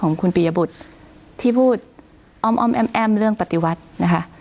ของคุณปียบุตรที่พูดอ้อมแอ้มเรื่องปฏิวัตินะคะ